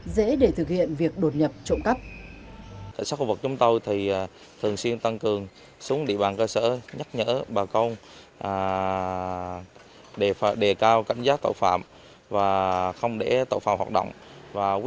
dễ để thực hiện việc đột nhập trộm cắp